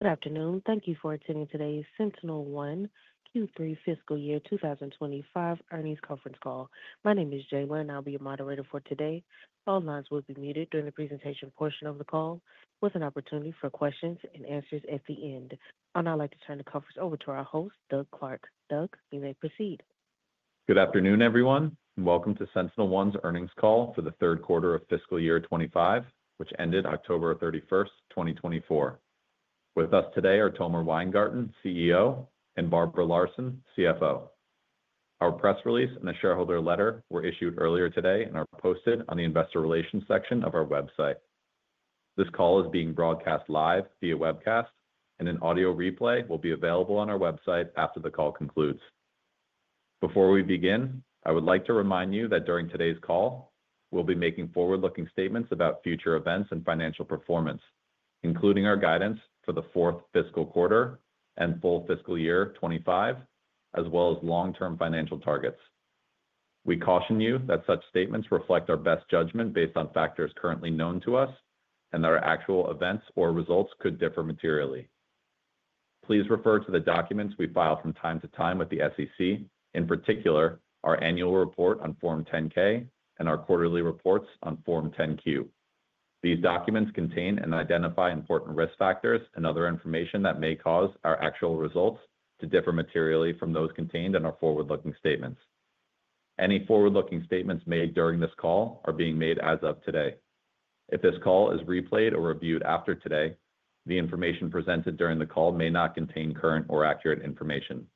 Good afternoon. Thank you for attending today's SentinelOne Q3 Fiscal Year 2025 earnings conference call. My name is Jaylen. I'll be your moderator for today. All lines will be muted during the presentation portion of the call, with an opportunity for questions and answers at the end. I'd now like to turn the conference over to our host, Doug Clark. Doug, you may proceed. Good afternoon, everyone, and welcome to SentinelOne's earnings call for the third quarter of fiscal year 2025, which ended October 31st, 2024. With us today are Tomer Weingarten, CEO, and Barbara Larson, CFO. Our press release and the shareholder letter were issued earlier today and are posted on the investor relations section of our website. This call is being broadcast live via webcast, and an audio replay will be available on our website after the call concludes. Before we begin, I would like to remind you that during today's call, we'll be making forward-looking statements about future events and financial performance, including our guidance for the fourth fiscal quarter and full fiscal year 2025, as well as long-term financial targets. We caution you that such statements reflect our best judgment based on factors currently known to us and that our actual events or results could differ materially. Please refer to the documents we file from time to time with the SEC, in particular our annual report on Form 10-K and our quarterly reports on Form 10-Q. These documents contain and identify important risk factors and other information that may cause our actual results to differ materially from those contained in our forward-looking statements. Any forward-looking statements made during this call are being made as of today. If this call is replayed or reviewed after today, the information presented during the call may not contain current or accurate information.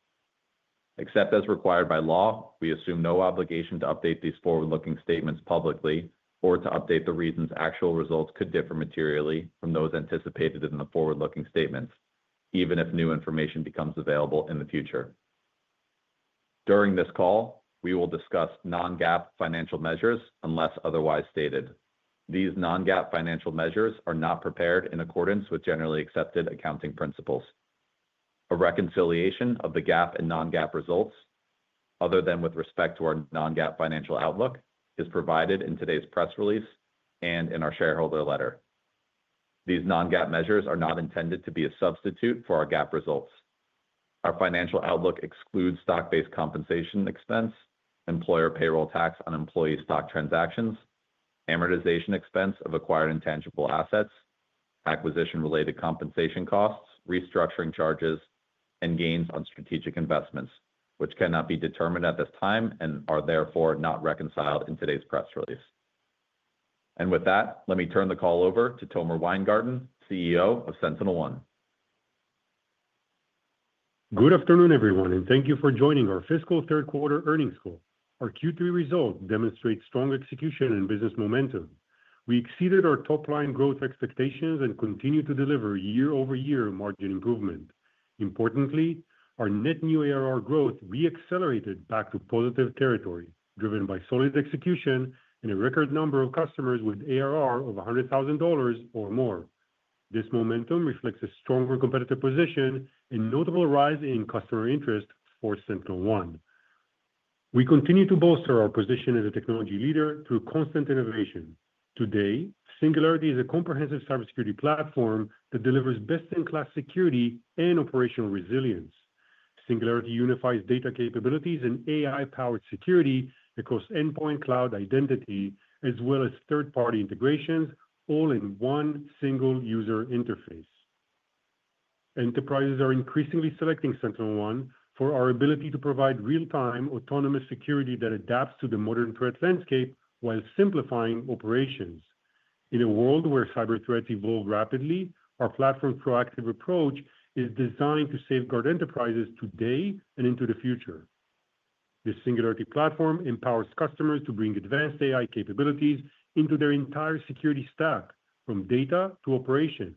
Except as required by law, we assume no obligation to update these forward-looking statements publicly or to update the reasons actual results could differ materially from those anticipated in the forward-looking statements, even if new information becomes available in the future. During this call, we will discuss non-GAAP financial measures unless otherwise stated. These non-GAAP financial measures are not prepared in accordance with generally accepted accounting principles. A reconciliation of the GAAP and non-GAAP results, other than with respect to our non-GAAP financial outlook, is provided in today's press release and in our shareholder letter. These non-GAAP measures are not intended to be a substitute for our GAAP results. Our financial outlook excludes stock-based compensation expense, employer payroll tax on employee stock transactions, amortization expense of acquired intangible assets, acquisition-related compensation costs, restructuring charges, and gains on strategic investments, which cannot be determined at this time and are therefore not reconciled in today's press release, and with that, let me turn the call over to Tomer Weingarten, CEO of SentinelOne. Good afternoon, everyone, and thank you for joining our fiscal third-quarter earnings call. Our Q3 results demonstrate strong execution and business momentum. We exceeded our top-line growth expectations and continue to deliver year-over-year margin improvement. Importantly, our net new ARR growth re-accelerated back to positive territory, driven by solid execution and a record number of customers with ARR of $100,000 or more. This momentum reflects a stronger competitive position and notable rise in customer interest for SentinelOne. We continue to bolster our position as a technology leader through constant innovation. Today, Singularity is a comprehensive cybersecurity platform that delivers best-in-class security and operational resilience. Singularity unifies data capabilities and AI-powered security across endpoint cloud identity, as well as third-party integrations, all in one single user interface. Enterprises are increasingly selecting SentinelOne for our ability to provide real-time autonomous security that adapts to the modern threat landscape while simplifying operations. In a world where cyber threats evolve rapidly, our platform's proactive approach is designed to safeguard enterprises today and into the future. The Singularity platform empowers customers to bring advanced AI capabilities into their entire security stack, from data to operations.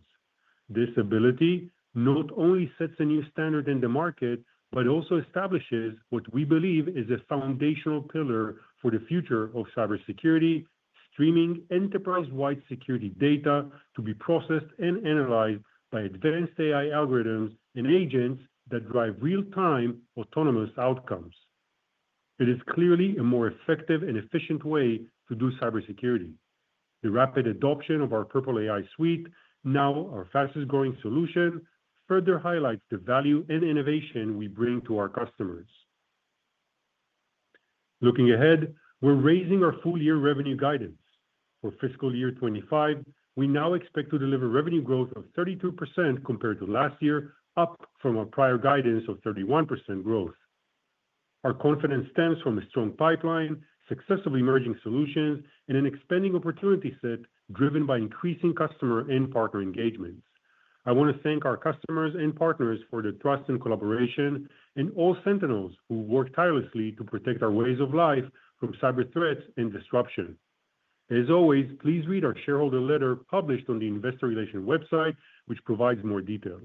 This ability not only sets a new standard in the market, but also establishes what we believe is a foundational pillar for the future of cybersecurity: streaming enterprise-wide security data to be processed and analyzed by advanced AI algorithms and agents that drive real-time autonomous outcomes. It is clearly a more effective and efficient way to do cybersecurity. The rapid adoption of our Purple AI suite, now our fastest-growing solution, further highlights the value and innovation we bring to our customers. Looking ahead, we're raising our full-year revenue guidance. For fiscal year 2025, we now expect to deliver revenue growth of 32% compared to last year, up from our prior guidance of 31% growth. Our confidence stems from a strong pipeline, successfully merging solutions, and an expanding opportunity set driven by increasing customer and partner engagements. I want to thank our customers and partners for their trust and collaboration, and all Sentinels who work tirelessly to protect our ways of life from cyber threats and disruption. As always, please read our shareholder letter published on the investor relations website, which provides more detail.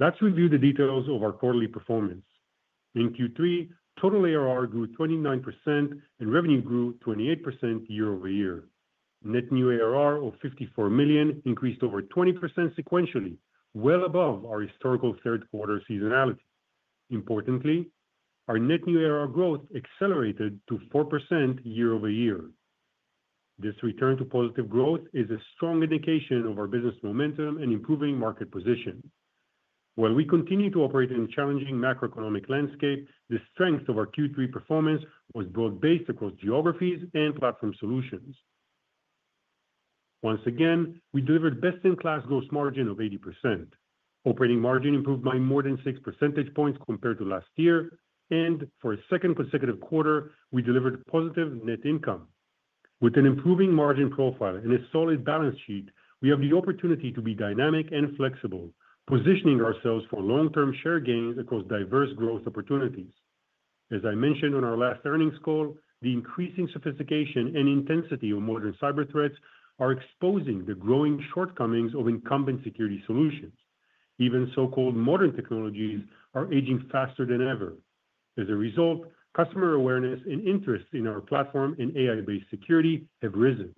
Let's review the details of our quarterly performance. In Q3, total ARR grew 29% and revenue grew 28% year-over-year. Net new ARR of $54 million increased over 20% sequentially, well above our historical third-quarter seasonality. Importantly, our net new ARR growth accelerated to 4% year-over-year. This return to positive growth is a strong indication of our business momentum and improving market position. While we continue to operate in a challenging macroeconomic landscape, the strength of our Q3 performance was broad-based across geographies and platform solutions. Once again, we delivered best-in-class gross margin of 80%. Operating margin improved by more than 6 percentage points compared to last year, and for a second consecutive quarter, we delivered positive net income. With an improving margin profile and a solid balance sheet, we have the opportunity to be dynamic and flexible, positioning ourselves for long-term share gains across diverse growth opportunities. As I mentioned on our last earnings call, the increasing sophistication and intensity of modern cyber threats are exposing the growing shortcomings of incumbent security solutions. Even so-called modern technologies are aging faster than ever. As a result, customer awareness and interest in our platform and AI-based security have risen.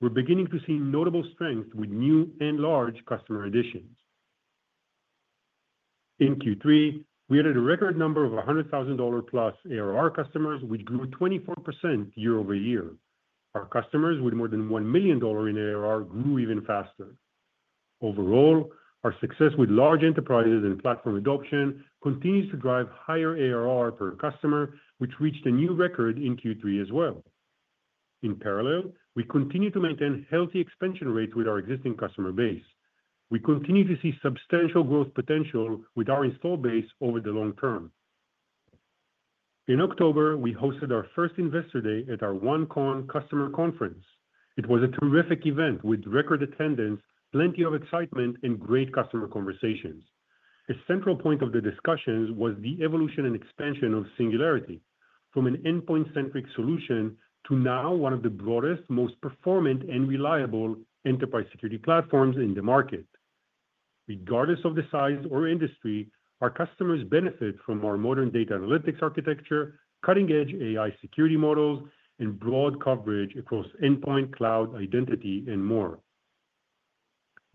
We're beginning to see notable strength with new and large customer additions. In Q3, we added a record number of $100,000 + ARR customers, which grew 24% year-over-year. Our customers with more than $1 million in ARR grew even faster. Overall, our success with large enterprises and platform adoption continues to drive higher ARR per customer, which reached a new record in Q3 as well. In parallel, we continue to maintain healthy expansion rates with our existing customer base. We continue to see substantial growth potential with our install base over the long term. In October, we hosted our first Investor Day at our OneCon customer conference. It was a terrific event with record attendance, plenty of excitement, and great customer conversations. A central point of the discussions was the evolution and expansion of Singularity, from an endpoint-centric solution to now one of the broadest, most performant, and reliable enterprise security platforms in the market. Regardless of the size or industry, our customers benefit from our modern data analytics architecture, cutting-edge AI security models, and broad coverage across endpoint cloud identity and more.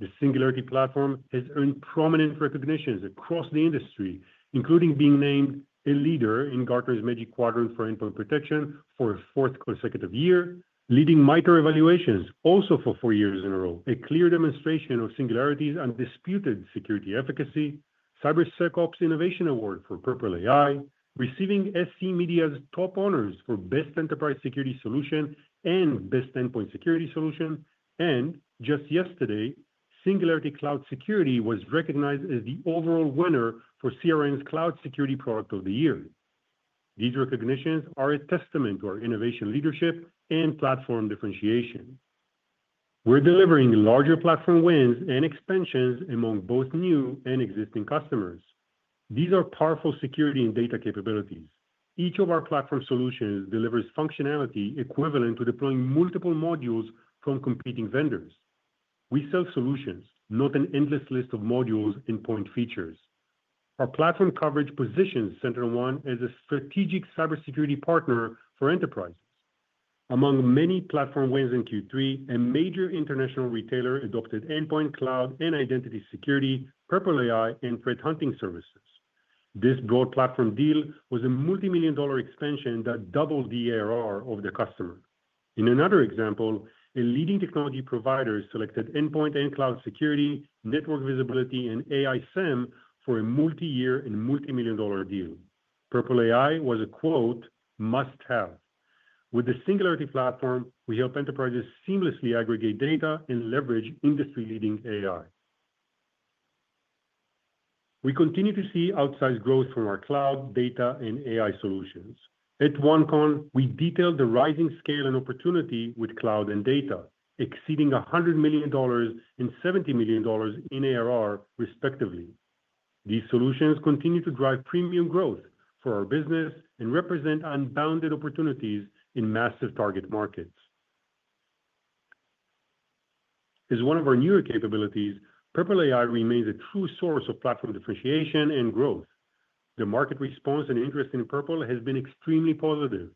The Singularity platform has earned prominent recognitions across the industry, including being named a leader in Gartner's Magic Quadrant for Endpoint Protection for a fourth consecutive year, leading MITRE evaluations also for four years in a row, a clear demonstration of Singularity's undisputed security efficacy, CyberSecOps Innovation Award for Purple AI, receiving SC Media's top honors for best enterprise security solution and best endpoint security solution, and just yesterday, Singularity Cloud Security was recognized as the overall winner for CRN's Cloud Security Product of the Year. These recognitions are a testament to our innovation leadership and platform differentiation. We're delivering larger platform wins and expansions among both new and existing customers. These are powerful security and data capabilities. Each of our platform solutions delivers functionality equivalent to deploying multiple modules from competing vendors. We sell solutions, not an endless list of modules and point features. Our platform coverage positions SentinelOne as a strategic cybersecurity partner for enterprises. Among many platform wins in Q3, a major international retailer adopted endpoint, cloud, and identity security, Purple AI, and threat hunting services. This broad platform deal was a multi-million-dollar expansion that doubled the ARR of the customer. In another example, a leading technology provider selected endpoint and cloud security, network visibility, and AI SIEM for a multi-year and multi-million-dollar deal. Purple AI was a "must-have. With the Singularity platform, we help enterprises seamlessly aggregate data and leverage industry-leading AI. We continue to see outsized growth from our cloud, data, and AI solutions. At OneCon, we detailed the rising scale and opportunity with cloud and data, exceeding $100 million and $70 million in ARR, respectively. These solutions continue to drive premium growth for our business and represent unbounded opportunities in massive target markets. As one of our newer capabilities, Purple AI remains a true source of platform differentiation and growth. The market response and interest in Purple has been extremely positive.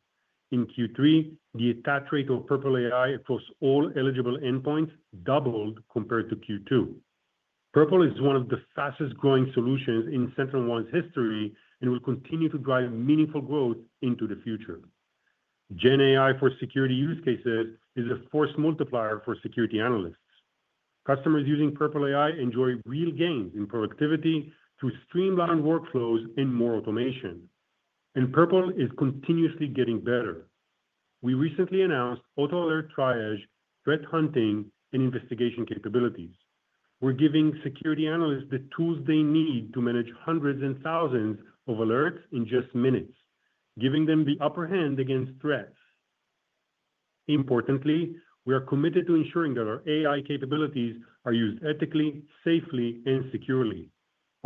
In Q3, the attach rate of Purple AI across all eligible endpoints doubled compared to Q2. Purple is one of the fastest-growing solutions in SentinelOne's history and will continue to drive meaningful growth into the future. GenAI for security use cases is a force multiplier for security analysts. Customers using Purple AI enjoy real gains in productivity through streamlined workflows and more automation, and Purple is continuously getting better. We recently announced auto alert triage, threat hunting, and investigation capabilities. We're giving security analysts the tools they need to manage hundreds and thousands of alerts in just minutes, giving them the upper hand against threats. Importantly, we are committed to ensuring that our AI capabilities are used ethically, safely, and securely.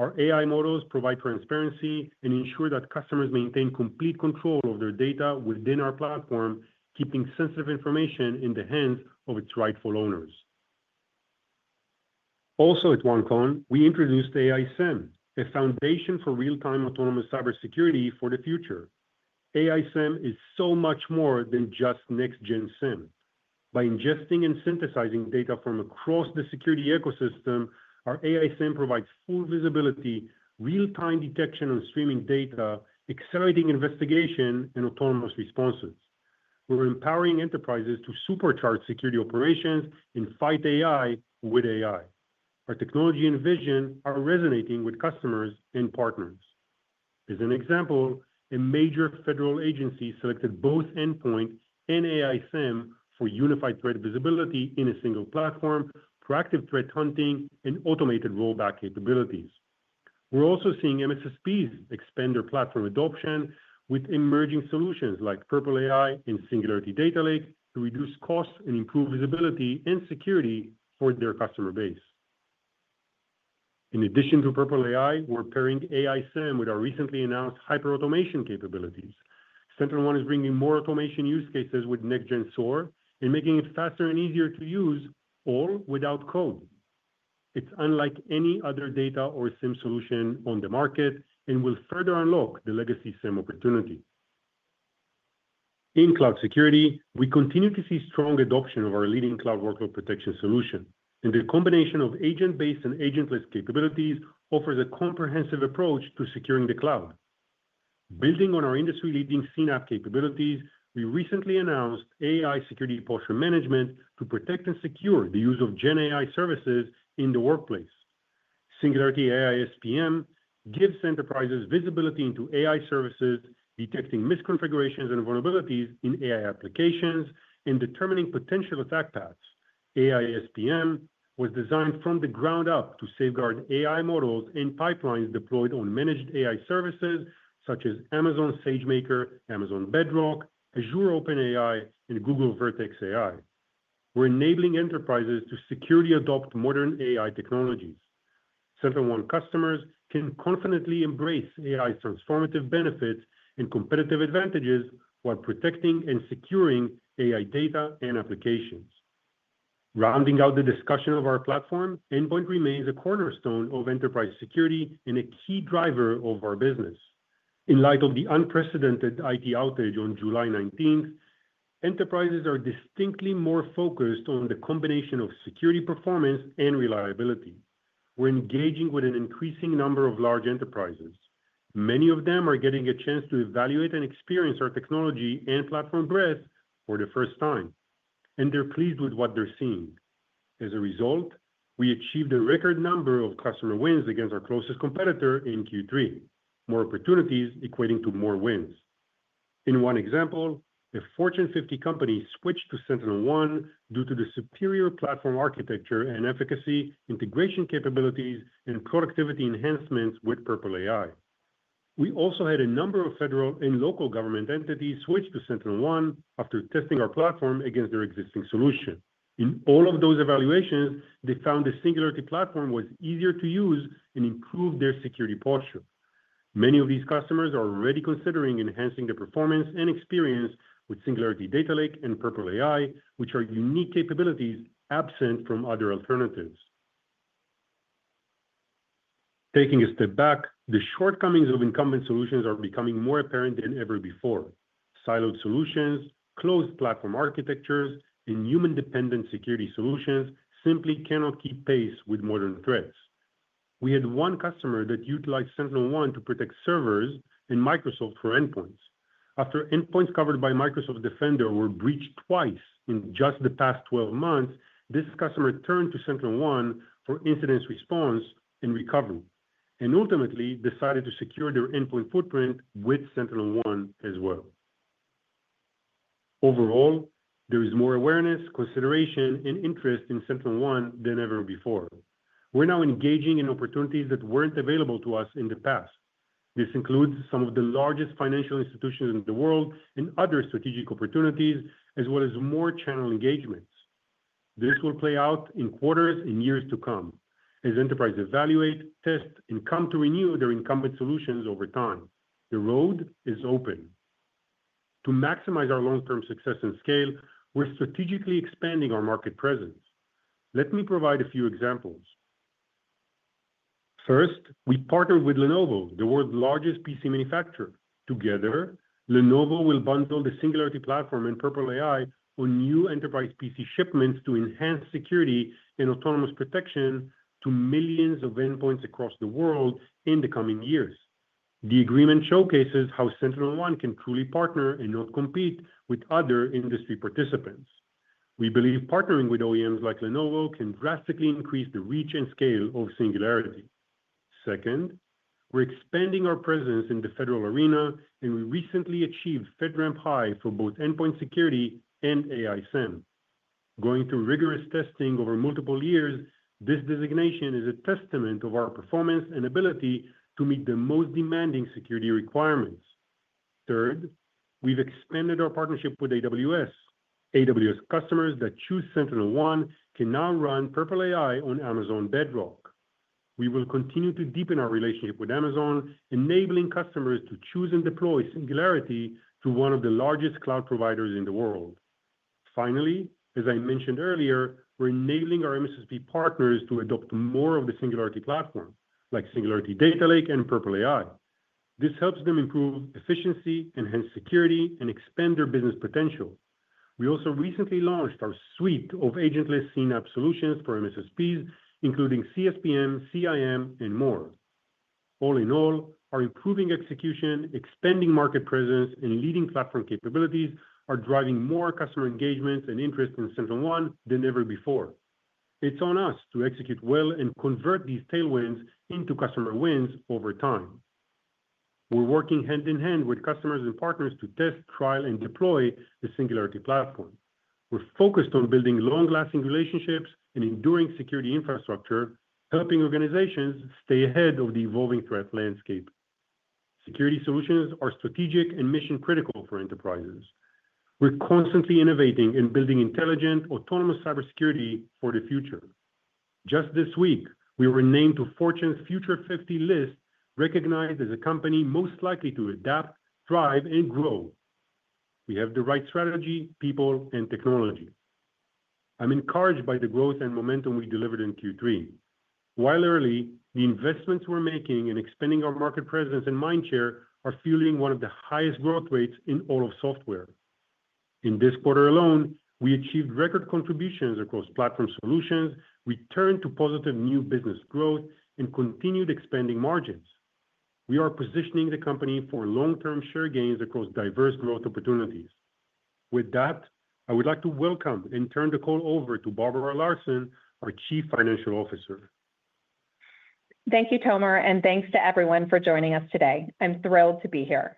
Our AI models provide transparency and ensure that customers maintain complete control of their data within our platform, keeping sensitive information in the hands of its rightful owners. Also, at OneCon, we introduced AI SIEM, a foundation for real-time autonomous cybersecurity for the future. AI SIEM is so much more than just next-gen SIEM. By ingesting and synthesizing data from across the security ecosystem, our AI SIEM provides full visibility, real-time detection on streaming data, accelerating investigation and autonomous responses. We're empowering enterprises to supercharge security operations and fight AI with AI. Our technology and vision are resonating with customers and partners. As an example, a major federal agency selected both endpoint and AI SIEM for unified threat visibility in a single platform, proactive threat hunting, and automated rollback capabilities. We're also seeing MSSPs expand their platform adoption with emerging solutions like Purple AI and Singularity Data Lake to reduce costs and improve visibility and security for their customer base. In addition to Purple AI, we're pairing AI SIEM with our recently announced hyperautomation capabilities. SentinelOne is bringing more automation use cases with next-gen SOAR and making it faster and easier to use, all without code. It's unlike any other data or SIEM solution on the market and will further unlock the legacy SIEM opportunity. In cloud security, we continue to see strong adoption of our leading cloud workload protection solution, and the combination of agent-based and agentless capabilities offers a comprehensive approach to securing the cloud. Building on our industry-leading CNAPP capabilities, we recently announced AI security posture management to protect and secure the use of GenAI services in the workplace. Singularity AI SPM gives enterprises visibility into AI services, detecting misconfigurations and vulnerabilities in AI applications and determining potential attack paths. AI SPM was designed from the ground up to safeguard AI models and pipelines deployed on managed AI services such as Amazon SageMaker, Amazon Bedrock, Azure OpenAI, and Google Vertex AI. We're enabling enterprises to securely adopt modern AI technologies. SentinelOne customers can confidently embrace AI's transformative benefits and competitive advantages while protecting and securing AI data and applications. Rounding out the discussion of our platform, endpoint remains a cornerstone of enterprise security and a key driver of our business. In light of the unprecedented IT outage on July 19, enterprises are distinctly more focused on the combination of security performance and reliability. We're engaging with an increasing number of large enterprises. Many of them are getting a chance to evaluate and experience our technology and platform breadth for the first time, and they're pleased with what they're seeing. As a result, we achieved a record number of customer wins against our closest competitor in Q3, more opportunities equating to more wins. In one example, a Fortune 50 company switched to SentinelOne due to the superior platform architecture and efficacy integration capabilities and productivity enhancements with Purple AI. We also had a number of federal and local government entities switch to SentinelOne after testing our platform against their existing solution. In all of those evaluations, they found the Singularity platform was easier to use and improved their security posture. Many of these customers are already considering enhancing their performance and experience with Singularity Data Lake and Purple AI, which are unique capabilities absent from other alternatives. Taking a step back, the shortcomings of incumbent solutions are becoming more apparent than ever before. Siloed solutions, closed platform architectures, and human-dependent security solutions simply cannot keep pace with modern threats. We had one customer that utilized SentinelOne to protect servers and Microsoft for endpoints. After endpoints covered by Microsoft Defender were breached twice in just the past 12 months, this customer turned to SentinelOne for incident response and recovery and ultimately decided to secure their endpoint footprint with SentinelOne as well. Overall, there is more awareness, consideration, and interest in SentinelOne than ever before. We're now engaging in opportunities that weren't available to us in the past. This includes some of the largest financial institutions in the world and other strategic opportunities, as well as more channel engagements. This will play out in quarters and years to come. As enterprises evaluate, test, and come to renew their incumbent solutions over time, the road is open. To maximize our long-term success and scale, we're strategically expanding our market presence. Let me provide a few examples. First, we partnered with Lenovo, the world's largest PC manufacturer. Together, Lenovo will bundle the Singularity platform and Purple AI on new enterprise PC shipments to enhance security and autonomous protection to millions of endpoints across the world in the coming years. The agreement showcases how SentinelOne can truly partner and not compete with other industry participants. We believe partnering with OEMs like Lenovo can drastically increase the reach and scale of Singularity. Second, we're expanding our presence in the federal arena, and we recently achieved High for both endpoint security and AI SIEM. Going through rigorous testing over multiple years, this designation is a testament to our performance and ability to meet the most demanding security requirements. Third, we've expanded our partnership with AWS. AWS customers that choose SentinelOne can now run Purple AI on Amazon Bedrock. We will continue to deepen our relationship with Amazon, enabling customers to choose and deploy Singularity to one of the largest cloud providers in the world. Finally, as I mentioned earlier, we're enabling our MSSP partners to adopt more of the Singularity platform, like Singularity Data Lake and Purple AI. This helps them improve efficiency, enhance security, and expand their business potential. We also recently launched our suite of agentless CNAPP solutions for MSSPs, including CSPM, CIEM, and more. All in all, our improving execution, expanding market presence, and leading platform capabilities are driving more customer engagements and interest in SentinelOne than ever before. It's on us to execute well and convert these tailwinds into customer wins over time. We're working hand in hand with customers and partners to test, trial, and deploy the Singularity platform. We're focused on building long-lasting relationships and enduring security infrastructure, helping organizations stay ahead of the evolving threat landscape. Security solutions are strategic and mission-critical for enterprises. We're constantly innovating and building intelligent, autonomous cybersecurity for the future. Just this week, we were named to Fortune's Future 50 list, recognized as a company most likely to adapt, thrive, and grow. We have the right strategy, people, and technology. I'm encouraged by the growth and momentum we delivered in Q3. While early, the investments we're making in expanding our market presence and mind share are fueling one of the highest growth rates in all of software. In this quarter alone, we achieved record contributions across platform solutions, returned to positive new business growth, and continued expanding margins. We are positioning the company for long-term share gains across diverse growth opportunities. With that, I would like to welcome and turn the call over to Barbara Larson, our Chief Financial Officer. Thank you, Tomer, and thanks to everyone for joining us today. I'm thrilled to be here.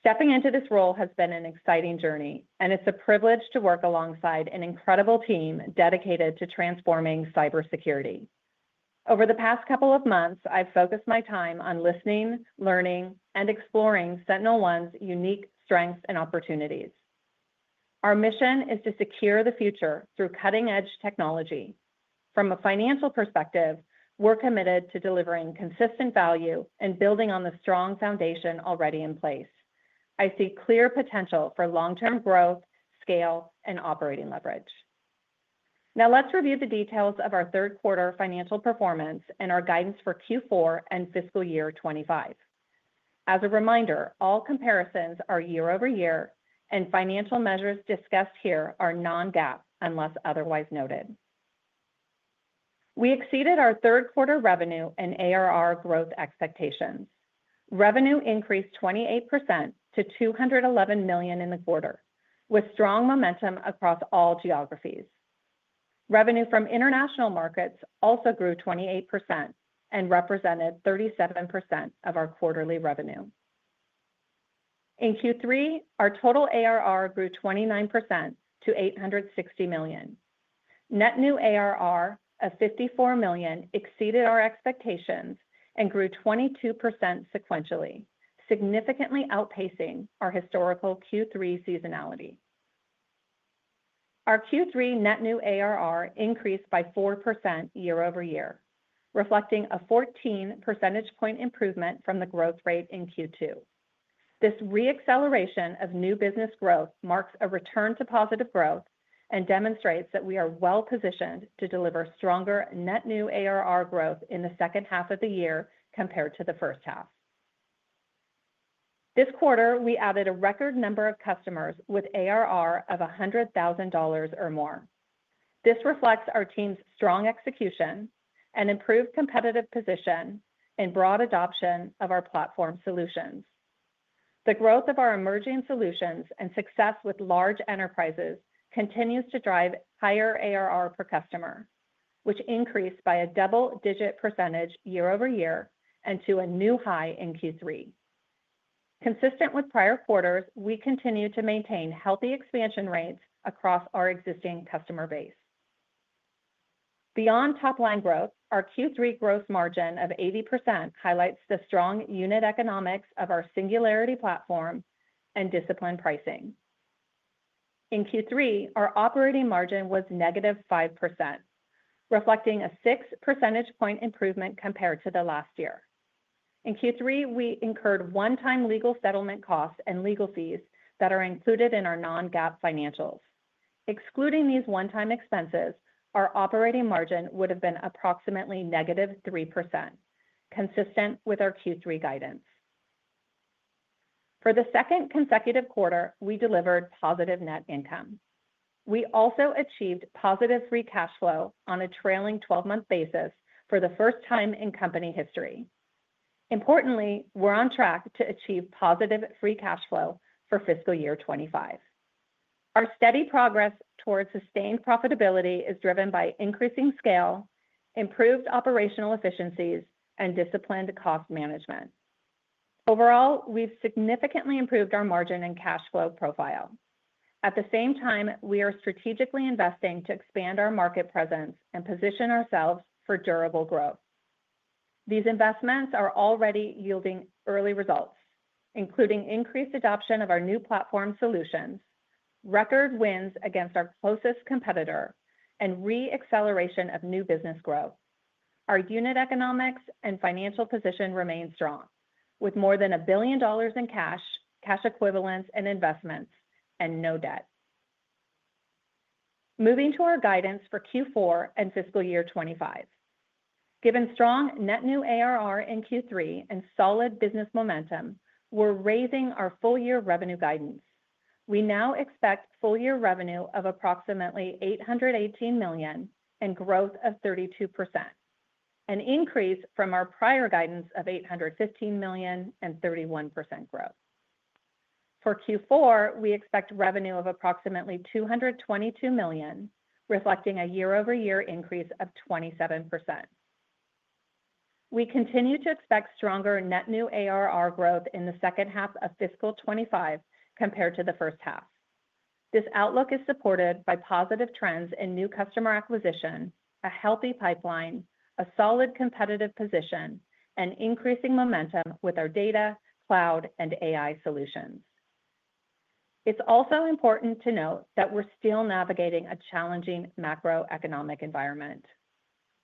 Stepping into this role has been an exciting journey, and it's a privilege to work alongside an incredible team dedicated to transforming cybersecurity. Over the past couple of months, I've focused my time on listening, learning, and exploring SentinelOne's unique strengths and opportunities. Our mission is to secure the future through cutting-edge technology. From a financial perspective, we're committed to delivering consistent value and building on the strong foundation already in place. I see clear potential for long-term growth, scale, and operating leverage. Now, let's review the details of our third quarter financial performance and our guidance for Q4 and fiscal year 2025. As a reminder, all comparisons are year-over-year, and financial measures discussed here are non-GAAP unless otherwise noted. We exceeded our third quarter revenue and ARR growth expectations. Revenue increased 28% to $211 million in the quarter, with strong momentum across all geographies. Revenue from international markets also grew 28% and represented 37% of our quarterly revenue. In Q3, our total ARR grew 29% to $860 million. Net new ARR of $54 million exceeded our expectations and grew 22% sequentially, significantly outpacing our historical Q3 seasonality. Our Q3 net new ARR increased by 4% year-over-year, reflecting a 14 percentage point improvement from the growth rate in Q2. This re-acceleration of new business growth marks a return to positive growth and demonstrates that we are well-positioned to deliver stronger net new ARR growth in the second half of the year compared to the first half. This quarter, we added a record number of customers with ARR of $100,000 or more. This reflects our team's strong execution, an improved competitive position, and broad adoption of our platform solutions. The growth of our emerging solutions and success with large enterprises continues to drive higher ARR per customer, which increased by a double-digit percentage year-over-year and to a new high in Q3. Consistent with prior quarters, we continue to maintain healthy expansion rates across our existing customer base. Beyond top-line growth, our Q3 gross margin of 80% highlights the strong unit economics of our Singularity platform and disciplined pricing. In Q3, our operating margin was negative 5%, reflecting a 6 percentage point improvement compared to the last year. In Q3, we incurred one-time legal settlement costs and legal fees that are included in our non-GAAP financials. Excluding these one-time expenses, our operating margin would have been approximately negative 3%, consistent with our Q3 guidance. For the second consecutive quarter, we delivered positive net income. We also achieved positive free cash flow on a trailing 12-month basis for the first time in company history. Importantly, we're on track to achieve positive free cash flow for fiscal year 2025. Our steady progress towards sustained profitability is driven by increasing scale, improved operational efficiencies, and disciplined cost management. Overall, we've significantly improved our margin and cash flow profile. At the same time, we are strategically investing to expand our market presence and position ourselves for durable growth. These investments are already yielding early results, including increased adoption of our new platform solutions, record wins against our closest competitor, and re-acceleration of new business growth. Our unit economics and financial position remain strong, with more than $1 billion in cash, cash equivalents, and investments, and no debt. Moving to our guidance for Q4 and fiscal year 2025. Given strong net new ARR in Q3 and solid business momentum, we're raising our full-year revenue guidance. We now expect full-year revenue of approximately $818 million and growth of 32%, an increase from our prior guidance of $815 million and 31% growth. For Q4, we expect revenue of approximately $222 million, reflecting a year-over-year increase of 27%. We continue to expect stronger net new ARR growth in the second half of fiscal 2025 compared to the first half. This outlook is supported by positive trends in new customer acquisition, a healthy pipeline, a solid competitive position, and increasing momentum with our data, cloud, and AI solutions. It's also important to note that we're still navigating a challenging macroeconomic environment.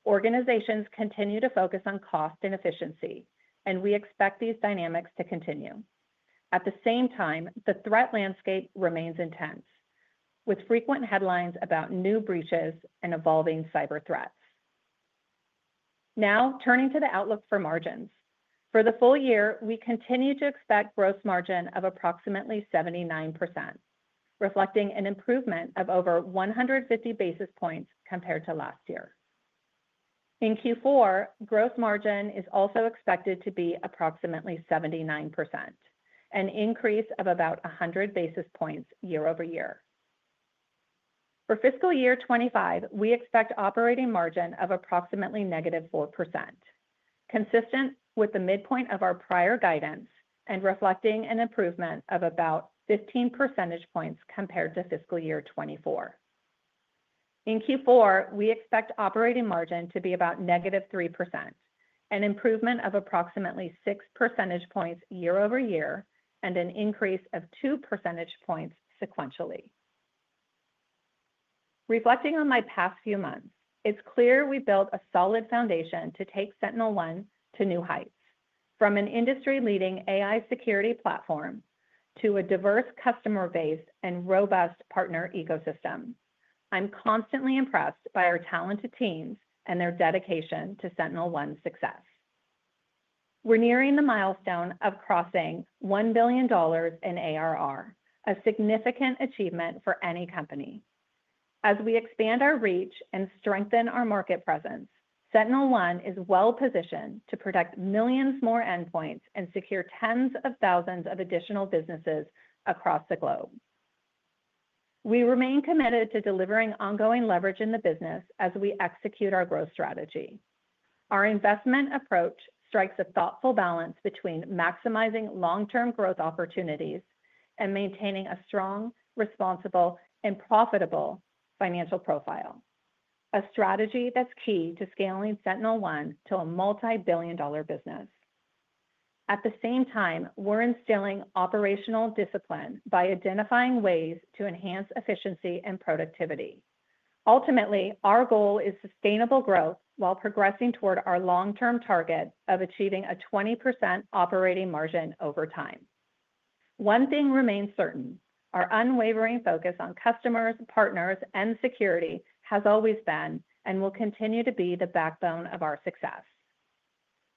Organizations continue to focus on cost and efficiency, and we expect these dynamics to continue. At the same time, the threat landscape remains intense, with frequent headlines about new breaches and evolving cyber threats. Now, turning to the outlook for margins. For the full year, we continue to expect gross margin of approximately 79%, reflecting an improvement of over 150 basis points compared to last year. In Q4, gross margin is also expected to be approximately 79%, an increase of about 100 basis points year-over-year. For fiscal year 2025, we expect operating margin of approximately negative 4%, consistent with the midpoint of our prior guidance and reflecting an improvement of about 15 percentage points compared to fiscal year 2024. In Q4, we expect operating margin to be about negative 3%, an improvement of approximately 6 percentage points year-over-year, and an increase of 2 percentage points sequentially. Reflecting on my past few months, it's clear we built a solid foundation to take SentinelOne to new heights. From an industry-leading AI security platform to a diverse customer base and robust partner ecosystem, I'm constantly impressed by our talented teams and their dedication to SentinelOne's success. We're nearing the milestone of crossing $1 billion in ARR, a significant achievement for any company. As we expand our reach and strengthen our market presence, SentinelOne is well-positioned to protect millions more endpoints and secure tens of thousands of additional businesses across the globe. We remain committed to delivering ongoing leverage in the business as we execute our growth strategy. Our investment approach strikes a thoughtful balance between maximizing long-term growth opportunities and maintaining a strong, responsible, and profitable financial profile, a strategy that's key to scaling SentinelOne to a multi-billion dollar business. At the same time, we're instilling operational discipline by identifying ways to enhance efficiency and productivity. Ultimately, our goal is sustainable growth while progressing toward our long-term target of achieving a 20% operating margin over time. One thing remains certain: our unwavering focus on customers, partners, and security has always been and will continue to be the backbone of our success.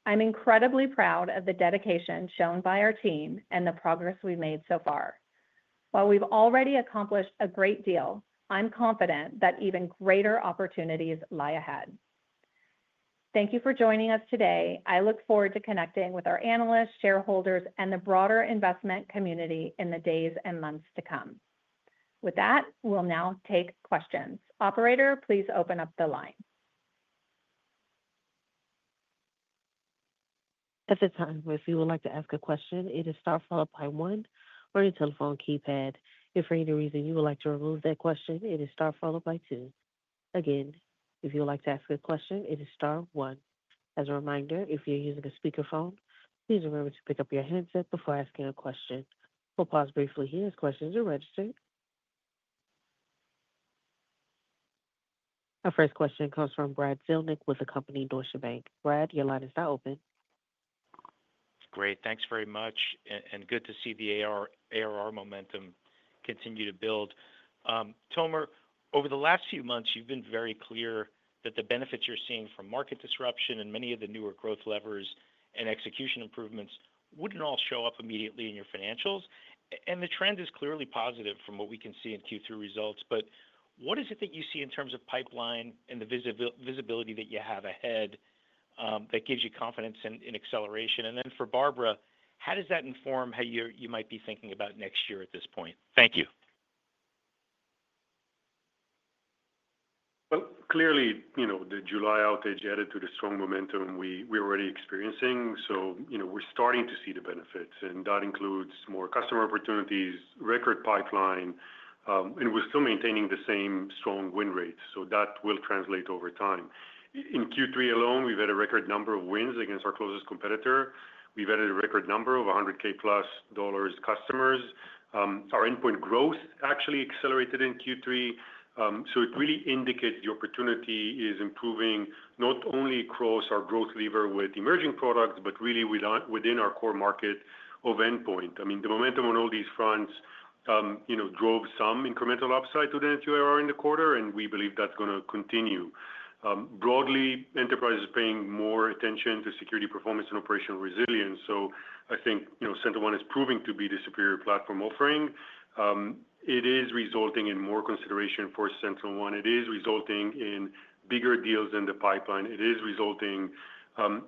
I'm incredibly proud of the dedication shown by our team and the progress we've made so far. While we've already accomplished a great deal, I'm confident that even greater opportunities lie ahead. Thank you for joining us today. I look forward to connecting with our analysts, shareholders, and the broader investment community in the days and months to come. With that, we'll now take questions. Operator, please open up the line. At this time, if you would like to ask a question, it is star followed by one on your telephone keypad. If for any reason you would like to remove that question, it is star followed by two. Again, if you would like to ask a question, it is star one. As a reminder, if you're using a speakerphone, please remember to pick up your handset before asking a question. We'll pause briefly here as questions are registered. Our first question comes from Brad Zelnick with the company Deutsche Bank. Brad, your line is now open. Great. Thanks very much. Good to see the ARR momentum continue to build. Tomer, over the last few months, you've been very clear that the benefits you're seeing from market disruption and many of the newer growth levers and execution improvements wouldn't all show up immediately in your financials. And the trend is clearly positive from what we can see in Q3 results. But what is it that you see in terms of pipeline and the visibility that you have ahead that gives you confidence in acceleration? And then for Barbara, how does that inform how you might be thinking about next year at this point? Thank you. Well, clearly, the July outage added to the strong momentum we're already experiencing. So we're starting to see the benefits. And that includes more customer opportunities, record pipeline. And we're still maintaining the same strong win rates. So that will translate over time. In Q3 alone, we've had a record number of wins against our closest competitor. We've added a record number of $100K + customers. Our endpoint growth actually accelerated in Q3, so it really indicates the opportunity is improving not only across our growth lever with emerging products, but really within our core market of endpoint. I mean, the momentum on all these fronts drove some incremental upside to the net new ARR in the quarter, and we believe that's going to continue. Broadly, enterprise is paying more attention to security performance and operational resilience, so I think SentinelOne is proving to be the superior platform offering. It is resulting in more consideration for SentinelOne. It is resulting in bigger deals in the pipeline. It is resulting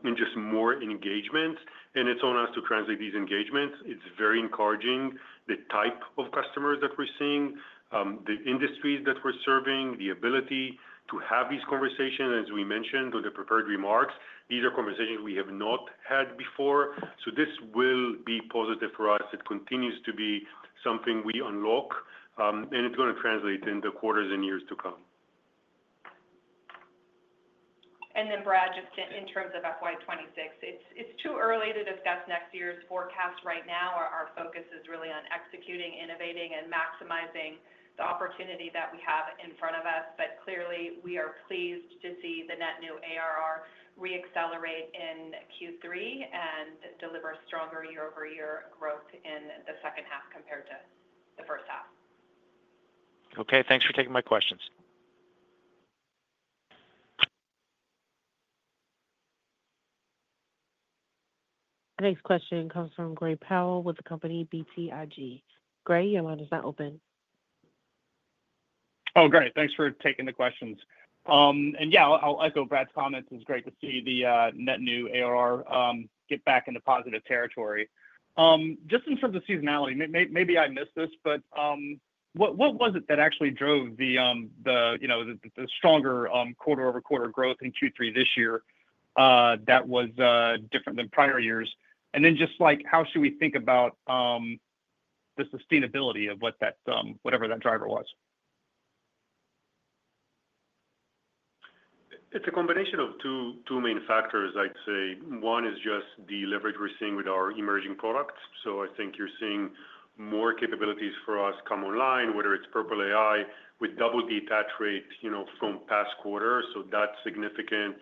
in just more engagements, and it's on us to translate these engagements. It's very encouraging, the type of customers that we're seeing, the industries that we're serving, the ability to have these conversations. As we mentioned with the prepared remarks, these are conversations we have not had before. So this will be positive for us. It continues to be something we unlock. And it's going to translate in the quarters and years to come. And then, Brad, just in terms of FY 2026, it's too early to discuss next year's forecast right now. Our focus is really on executing, innovating, and maximizing the opportunity that we have in front of us. But clearly, we are pleased to see the net new ARR re-accelerate in Q3 and deliver stronger year-over-year growth in the second half compared to the first half. Okay. Thanks for taking my questions. Next question comes from Gray Powell with the company BTIG. Gray, your line is now open. Oh, great. Thanks for taking the questions. Yeah, I'll echo Brad's comments. It's great to see the net new ARR get back into positive territory. Just in terms of seasonality, maybe I missed this, but what was it that actually drove the stronger quarter-over-quarter growth in Q3 this year that was different than prior years? And then just how should we think about the sustainability of whatever that driver was? It's a combination of two main factors, I'd say. One is just the leverage we're seeing with our emerging products. So I think you're seeing more capabilities for us come online, whether it's Purple AI with double the attach rate from past quarters. So that's significant.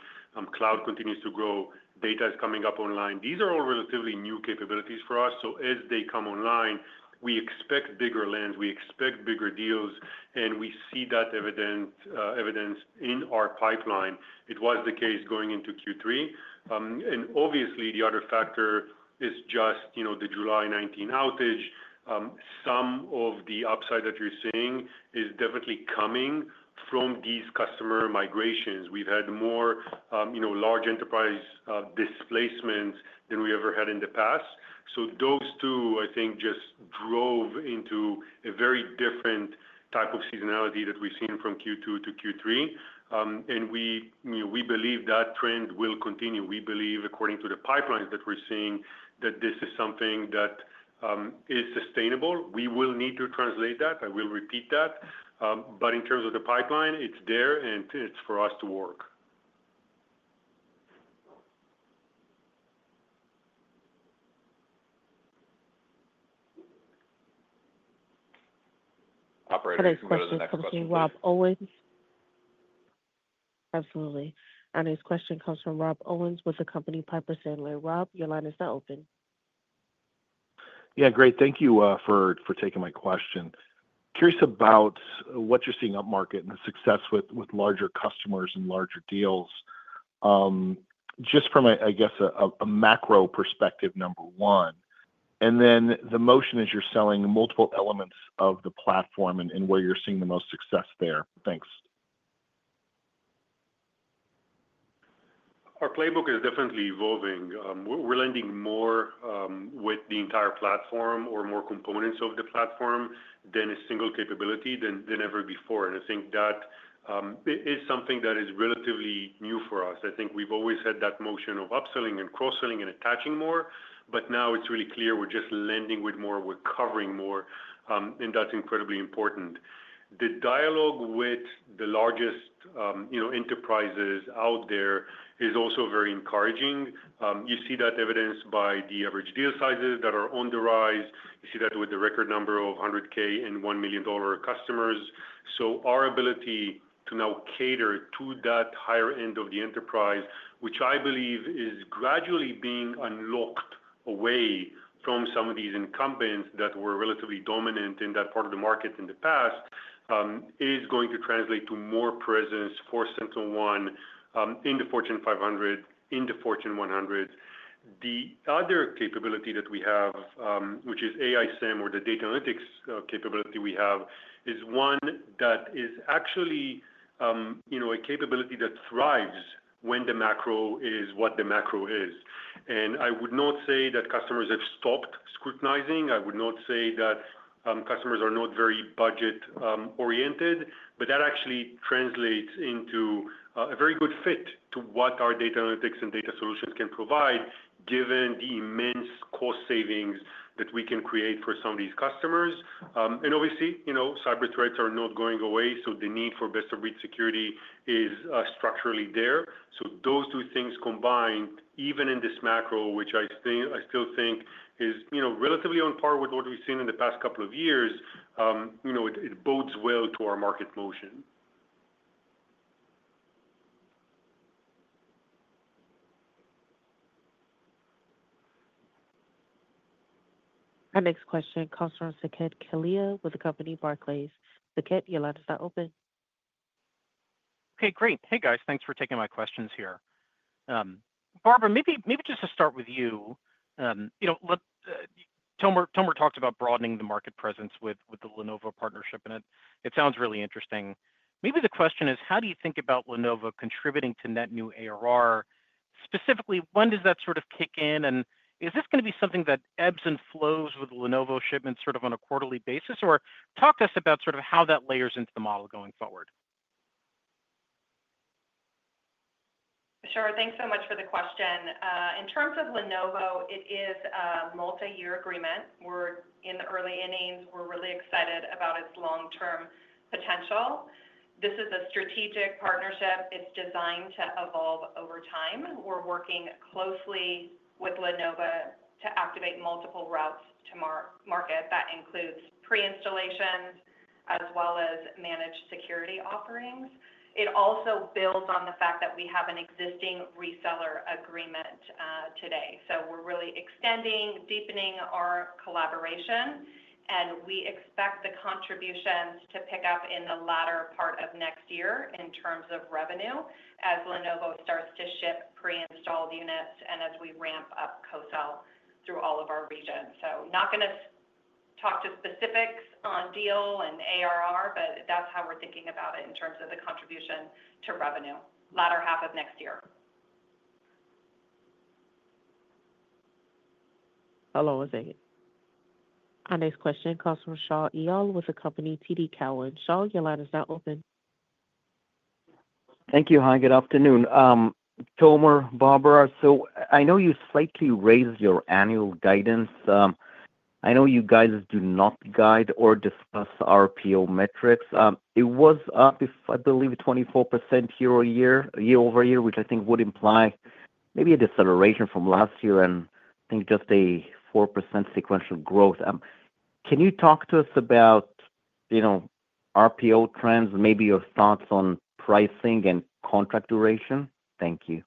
Cloud continues to grow. Data is coming up online. These are all relatively new capabilities for us. So as they come online, we expect bigger wins. We expect bigger deals. We see that evidence in our pipeline. It was the case going into Q3. Obviously, the other factor is just the July 19 outage. Some of the upside that you're seeing is definitely coming from these customer migrations. We've had more large enterprise displacements than we ever had in the past. Those two, I think, just drove into a very different type of seasonality that we've seen from Q2 to Q3. We believe that trend will continue. We believe, according to the pipelines that we're seeing, that this is something that is sustainable. We will need to translate that. I will repeat that. In terms of the pipeline, it's there, and it's for us to work. Operator Rob Owens. Absolutely. His question comes from Rob Owens with the company Piper Sandler. Rob, your line is now open. Yeah, great. Thank you for taking my question. Curious about what you're seeing upmarket and the success with larger customers and larger deals, just from, I guess, a macro perspective, number one. And then the motion is you're selling multiple elements of the platform and where you're seeing the most success there. Thanks. Our playbook is definitely evolving. We're leading more with the entire platform or more components of the platform than a single capability than ever before. And I think that is something that is relatively new for us. I think we've always had that motion of upselling and cross-selling and attaching more. But now it's really clear we're just leading with more. We're covering more. And that's incredibly important. The dialogue with the largest enterprises out there is also very encouraging. You see that evidenced by the average deal sizes that are on the rise. You see that with the record number of $100K and $1 million customers, so our ability to now cater to that higher end of the enterprise, which I believe is gradually being unlocked away from some of these incumbents that were relatively dominant in that part of the market in the past, is going to translate to more presence for SentinelOne in the Fortune 500, in the Fortune 100. The other capability that we have, which is AI SIEM or the data analytics capability we have, is one that is actually a capability that thrives when the macro is what the macro is, and I would not say that customers have stopped scrutinizing. I would not say that customers are not very budget-oriented. But that actually translates into a very good fit to what our data analytics and data solutions can provide, given the immense cost savings that we can create for some of these customers. And obviously, cyber threats are not going away. So the need for best-of-breed security is structurally there. So those two things combined, even in this macro, which I still think is relatively on par with what we've seen in the past couple of years, it bodes well to our market motion. Our next question comes from Saket Kalia with the company Barclays. Saket, your line is now open. Okay, great. Hey, guys. Thanks for taking my questions here. Barbara, maybe just to start with you. Tomer talked about broadening the market presence with the Lenovo partnership. And it sounds really interesting. Maybe the question is, how do you think about Lenovo contributing to net new ARR? Specifically, when does that sort of kick in? And is this going to be something that ebbs and flows with Lenovo shipments sort of on a quarterly basis? Or talk to us about sort of how that layers into the model going forward. Sure. Thanks so much for the question. In terms of Lenovo, it is a multi-year agreement. We're in the early innings. We're really excited about its long-term potential. This is a strategic partnership. It's designed to evolve over time. We're working closely with Lenovo to activate multiple routes to market. That includes pre-installations as well as managed security offerings. It also builds on the fact that we have an existing reseller agreement today. So we're really extending, deepening our collaboration. We expect the contributions to pick up in the latter part of next year in terms of revenue as Lenovo starts to ship pre-installed units and as we ramp up co-sell through all of our regions. So not going to talk to specifics on deal and ARR, but that's how we're thinking about it in terms of the contribution to revenue latter half of next year. Hello, I think. Our next question comes from Shaul Eyal with the company TD Cowen. Shaul, your line is now open. Thank you, Hi. Good afternoon. Tomer, Barbara, so I know you slightly raised your annual guidance. I know you guys do not guide or discuss RPO metrics. It was up, I believe, 24% year over year, which I think would imply maybe a deceleration from last year and I think just a 4% sequential growth. Can you talk to us about RPO trends, maybe your thoughts on pricing and contract duration? Thank you.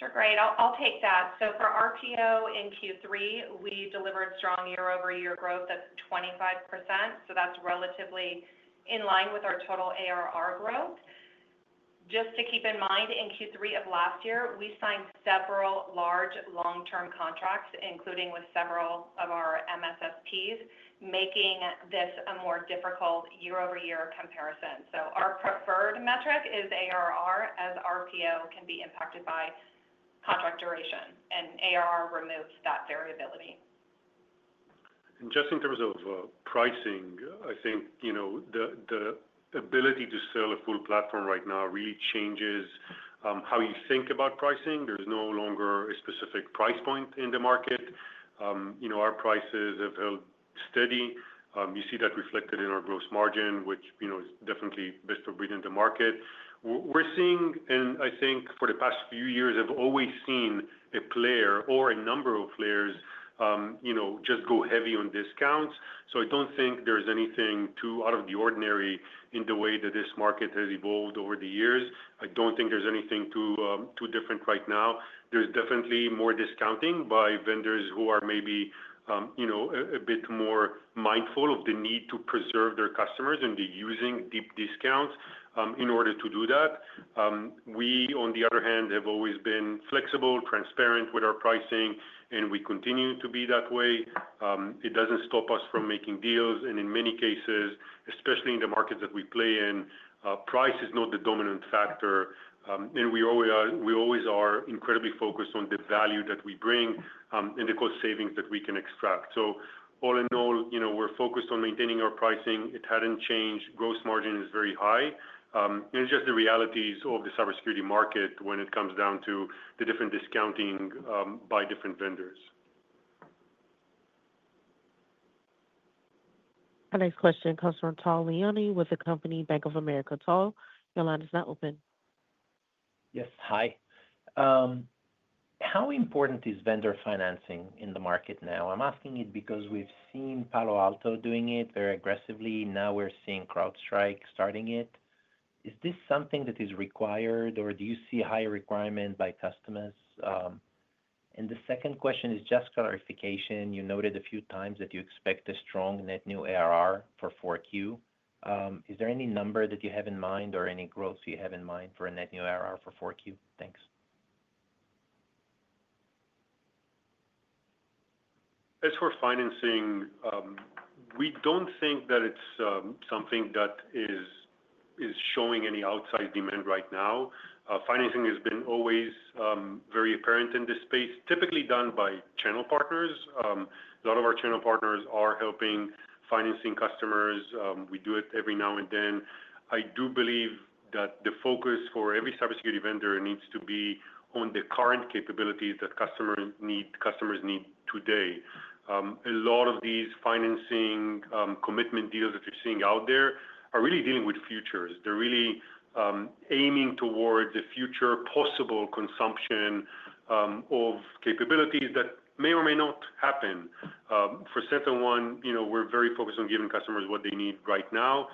Sure, great. I'll take that. So for RPO in Q3, we delivered strong year-over-year growth of 25%. So that's relatively in line with our total ARR growth. Just to keep in mind, in Q3 of last year, we signed several large long-term contracts, including with several of our MSSPs, making this a more difficult year-over-year comparison. So our preferred metric is ARR, as RPO can be impacted by contract duration. And ARR removes that variability. And just in terms of pricing, I think the ability to sell a full platform right now really changes how you think about pricing. There's no longer a specific price point in the market. Our prices have held steady. You see that reflected in our gross margin, which is definitely best-of-breed in the market. We're seeing, and I think for the past few years, have always seen a player or a number of players just go heavy on discounts. So I don't think there's anything too out of the ordinary in the way that this market has evolved over the years. I don't think there's anything too different right now. There's definitely more discounting by vendors who are maybe a bit more mindful of the need to preserve their customers and be using deep discounts in order to do that. We, on the other hand, have always been flexible, transparent with our pricing, and we continue to be that way. It doesn't stop us from making deals, and in many cases, especially in the markets that we play in, price is not the dominant factor. And we always are incredibly focused on the value that we bring and the cost savings that we can extract. So all in all, we're focused on maintaining our pricing. It hadn't changed. Gross margin is very high. And just the realities of the cybersecurity market when it comes down to the different discounting by different vendors. Our next question comes from Tal Liani with Bank of America. Your line is now open. Yes, hi. How important is vendor financing in the market now? I'm asking it because we've seen Palo Alto doing it very aggressively. Now we're seeing CrowdStrike starting it. Is this something that is required, or do you see a higher requirement by customers? And the second question is just clarification. You noted a few times that you expect a strong net new ARR for 4Q. Is there any number that you have in mind or any growth you have in mind for a net new ARR for 4Q? Thanks. As for financing, we don't think that it's something that is showing any outside demand right now. Financing has been always very apparent in this space, typically done by channel partners. A lot of our channel partners are helping financing customers. We do it every now and then. I do believe that the focus for every cybersecurity vendor needs to be on the current capabilities that customers need today. A lot of these financing commitment deals that you're seeing out there are really dealing with futures. They're really aiming towards a future possible consumption of capabilities that may or may not happen. For SentinelOne, we're very focused on giving customers what they need right now.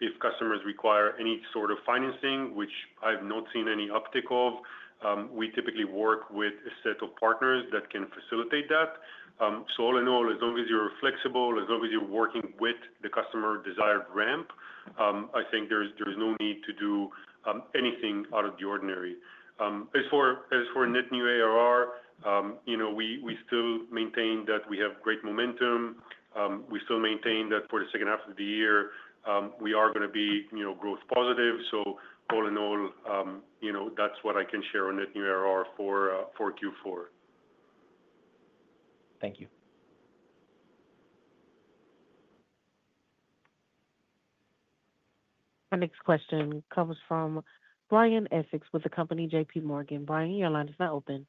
If customers require any sort of financing, which I've not seen any uptick of, we typically work with a set of partners that can facilitate that. So all in all, as long as you're flexible, as long as you're working with the customer desired ramp, I think there's no need to do anything out of the ordinary. As for net new ARR, we still maintain that we have great momentum. We still maintain that for the second half of the year, we are going to be growth positive. So all in all, that's what I can share on net new ARR for Q4. Thank you. Our next question comes from Brian Essex with the company JPMorgan. Brian, your line is now open.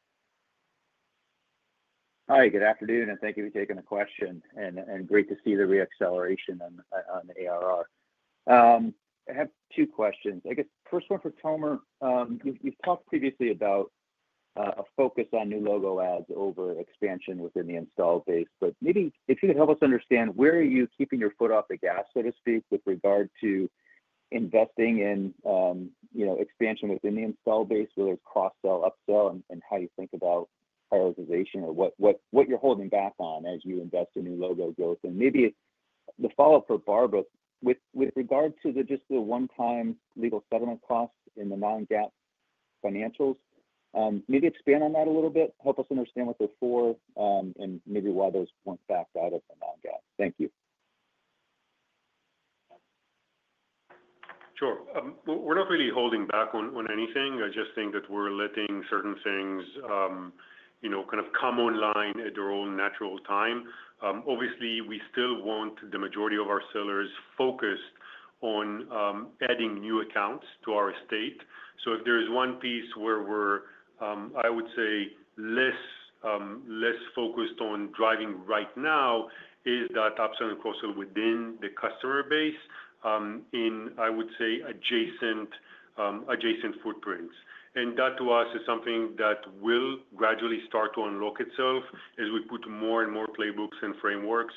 Hi, good afternoon. And thank you for taking the question. And great to see the re-acceleration on the ARR. I have two questions. I guess first one for Tomer. You've talked previously about a focus on new logos over expansion within the installed base. But maybe if you could help us understand where are you keeping your foot off the gas, so to speak, with regard to investing in expansion within the installed base, whether it's cross-sell, upsell, and how you think about prioritization or what you're holding back on as you invest in new logo growth. Maybe the follow-up for Barbara, with regard to just the one-time legal settlement costs in the non-GAAP financials, maybe expand on that a little bit, help us understand what they're for, and maybe why those weren't backed out of the non-GAAP. Thank you. Sure. We're not really holding back on anything. I just think that we're letting certain things kind of come online at their own natural time. Obviously, we still want the majority of our sellers focused on adding new accounts to our estate. So if there's one piece where we're, I would say, less focused on driving right now is that upsell and cross-sell within the customer base in, I would say, adjacent footprints. And that, to us, is something that will gradually start to unlock itself as we put more and more playbooks and frameworks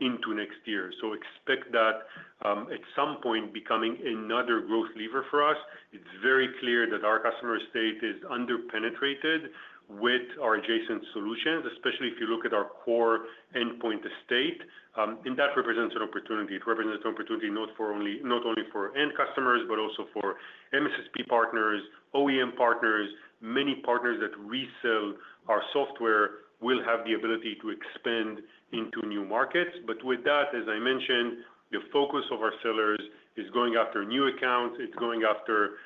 into next year. So expect that at some point becoming another growth lever for us. It's very clear that our customer estate is under-penetrated with our adjacent solutions, especially if you look at our core endpoint estate. And that represents an opportunity. It represents an opportunity not only for end customers, but also for MSSP partners, OEM partners, many partners that resell our software will have the ability to expand into new markets. But with that, as I mentioned, the focus of our sellers is going after new accounts. It's going after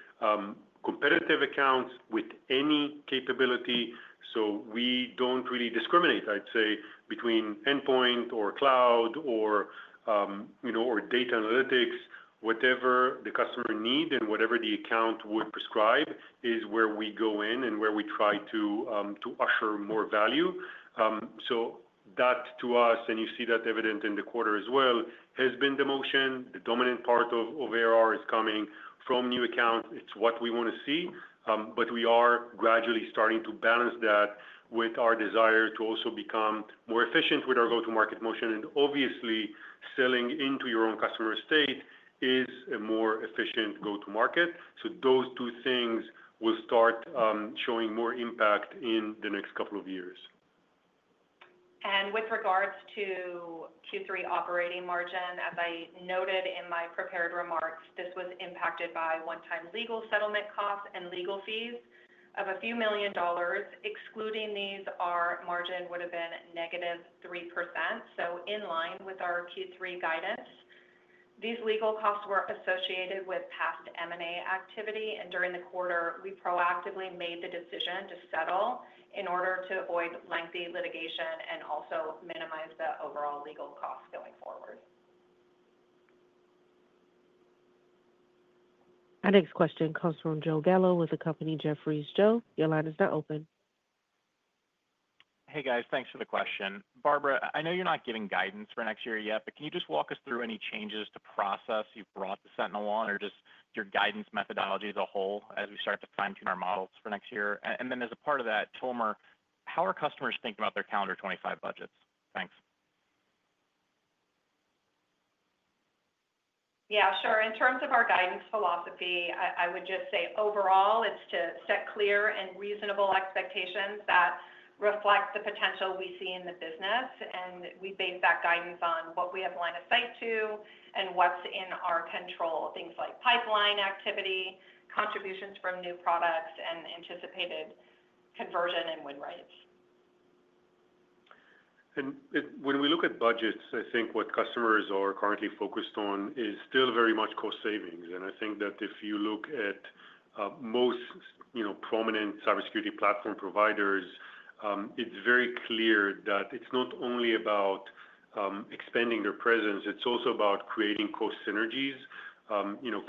competitive accounts with any capability. So we don't really discriminate, I'd say, between endpoint or cloud or data analytics, whatever the customer needs and whatever the account would prescribe is where we go in and where we try to usher more value. So that, to us, and you see that evident in the quarter as well, has been the motion. The dominant part of ARR is coming from new accounts. It's what we want to see. But we are gradually starting to balance that with our desire to also become more efficient with our go-to-market motion. And obviously, selling into your own customer estate is a more efficient go-to-market. So those two things will start showing more impact in the next couple of years. With regards to Q3 operating margin, as I noted in my prepared remarks, this was impacted by one-time legal settlement costs and legal fees of a few million dollars. Excluding these, our margin would have been negative 3%. So in line with our Q3 guidance, these legal costs were associated with past M&A activity. And during the quarter, we proactively made the decision to settle in order to avoid lengthy litigation and also minimize the overall legal costs going forward. Our next question comes from Joe Gallo with Jefferies. Joe, your line is now open. Hey, guys. Thanks for the question. Barbara, I know you're not giving guidance for next year yet, but can you just walk us through any changes to process you've brought to SentinelOne or just your guidance methodology as a whole as we start to fine-tune our models for next year? And then as a part of that, Tomer, how are customers thinking about their calendar 2025 budgets? Thanks. Yeah, sure. In terms of our guidance philosophy, I would just say overall, it's to set clear and reasonable expectations that reflect the potential we see in the business. And we base that guidance on what we have line of sight to and what's in our control, things like pipeline activity, contributions from new products, and anticipated conversion and win rates. And when we look at budgets, I think what customers are currently focused on is still very much cost savings. And I think that if you look at most prominent cybersecurity platform providers, it's very clear that it's not only about expanding their presence. It's also about creating cost synergies.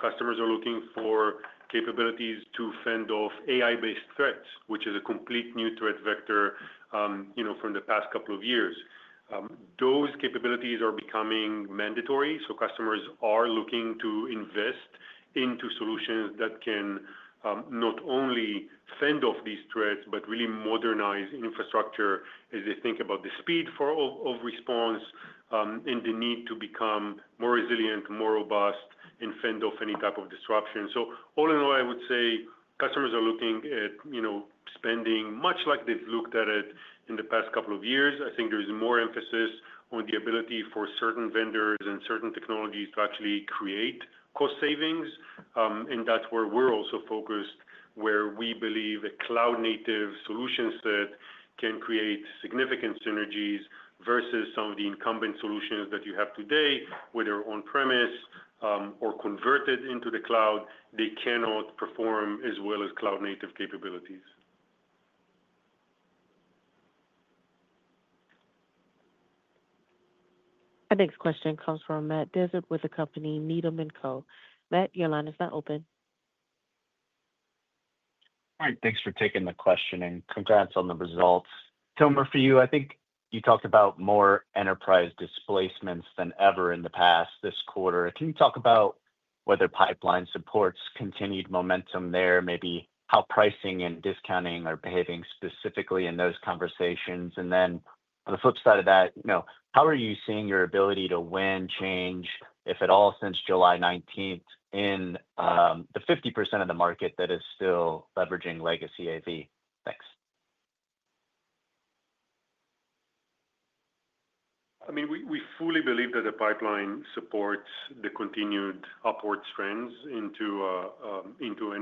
Customers are looking for capabilities to fend off AI-based threats, which is a complete new threat vector from the past couple of years. Those capabilities are becoming mandatory. So customers are looking to invest into solutions that can not only fend off these threats, but really modernize infrastructure as they think about the speed of response and the need to become more resilient, more robust, and fend off any type of disruption. So all in all, I would say customers are looking at spending much like they've looked at it in the past couple of years. I think there's more emphasis on the ability for certain vendors and certain technologies to actually create cost savings. And that's where we're also focused, where we believe a cloud-native solution set can create significant synergies versus some of the incumbent solutions that you have today, whether on-premise or converted into the cloud. They cannot perform as well as cloud-native capabilities. Our next question comes from Matt Hedberg with the company Needham and Co. Matt, your line is now open. All right. Thanks for taking the question. And congrats on the results. Tomer, for you, I think you talked about more enterprise displacements than ever in the past this quarter. Can you talk about whether pipeline supports continued momentum there, maybe how pricing and discounting are behaving specifically in those conversations? And then on the flip side of that, how are you seeing your ability to win change, if at all, since July 19th in the 50% of the market that is still leveraging legacy AV? Thanks. I mean, we fully believe that the pipeline supports the continued upward trends into the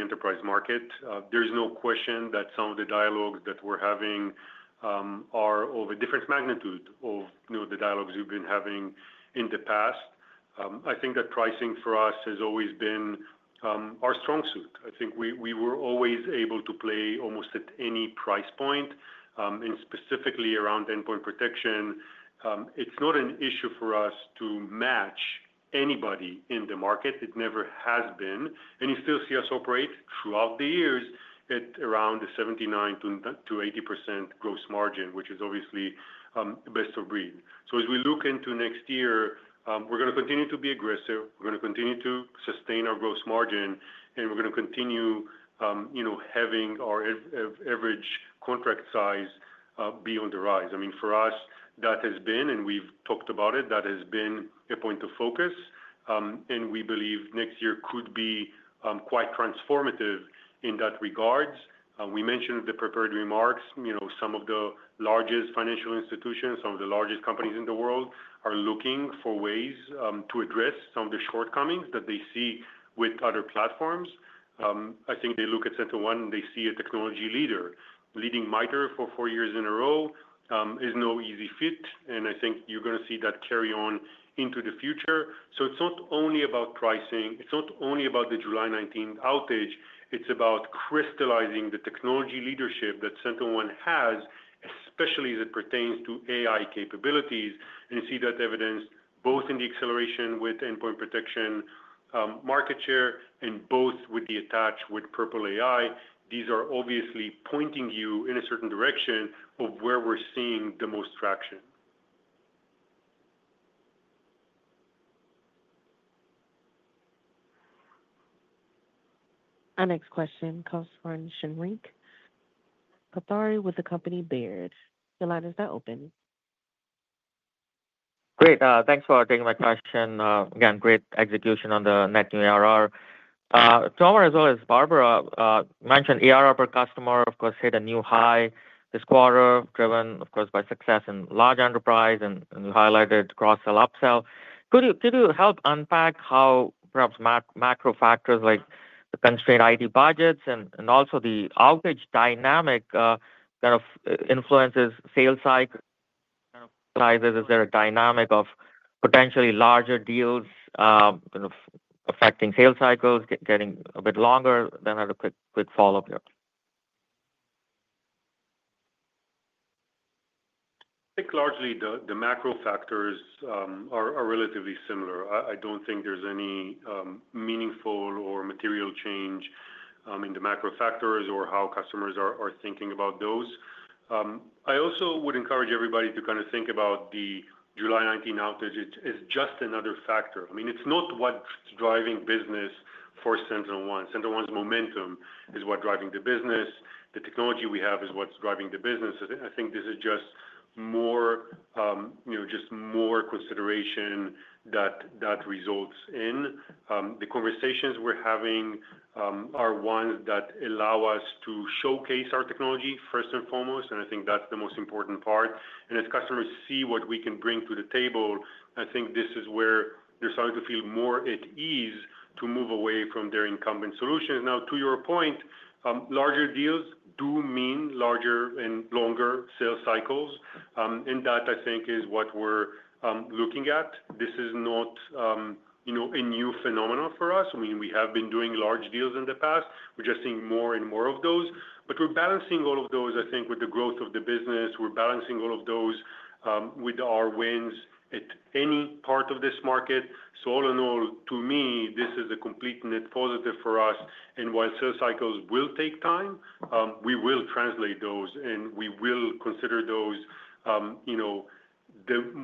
enterprise market. There is no question that some of the dialogues that we're having are of a different magnitude of the dialogues we've been having in the past. I think that pricing for us has always been our strong suit. I think we were always able to play almost at any price point, and specifically around endpoint protection. It's not an issue for us to match anybody in the market. It never has been, and you still see us operate throughout the years at around the 79%-80% gross margin, which is obviously best of breed, so as we look into next year, we're going to continue to be aggressive. We're going to continue to sustain our gross margin, and we're going to continue having our average contract size be on the rise. I mean, for us, that has been, and we've talked about it, that has been a point of focus. And we believe next year could be quite transformative in that regard. We mentioned in the prepared remarks, some of the largest financial institutions, some of the largest companies in the world are looking for ways to address some of the shortcomings that they see with other platforms. I think they look at SentinelOne, and they see a technology leader. Leading MITRE for four years in a row is no easy feat. And I think you're going to see that carry on into the future. So it's not only about pricing. It's not only about the July 19th outage. It's about crystallizing the technology leadership that SentinelOne has, especially as it pertains to AI capabilities. You see that evidence both in the acceleration with endpoint protection market share and both with the attach with Purple AI. These are obviously pointing you in a certain direction of where we're seeing the most traction. Our next question comes from Shrenik Kothari with the company Baird. Your line is now open. Great. Thanks for taking my question. Again, great execution on the net new ARR. Tomer, as well as Barbara, mentioned ARR per customer, of course, hit a new high this quarter, driven, of course, by success in large enterprise. You highlighted cross-sell, upsell. Could you help unpack how perhaps macro factors like the constrained IT budgets and also the outage dynamic kind of influences sales cycle? Is there a dynamic of potentially larger deals affecting sales cycles getting a bit longer? I have a quick follow-up here. I think largely the macro factors are relatively similar. I don't think there's any meaningful or material change in the macro factors or how customers are thinking about those. I also would encourage everybody to kind of think about the July 19 outage as just another factor. I mean, it's not what's driving business for SentinelOne. SentinelOne's momentum is what's driving the business. The technology we have is what's driving the business. I think this is just more consideration that results in. The conversations we're having are ones that allow us to showcase our technology first and foremost, and I think that's the most important part, and as customers see what we can bring to the table, I think this is where they're starting to feel more at ease to move away from their incumbent solutions. Now, to your point, larger deals do mean larger and longer sales cycles. And that, I think, is what we're looking at. This is not a new phenomenon for us. I mean, we have been doing large deals in the past. We're just seeing more and more of those. But we're balancing all of those, I think, with the growth of the business. We're balancing all of those with our wins at any part of this market. So all in all, to me, this is a complete net positive for us. And while sales cycles will take time, we will translate those, and we will consider those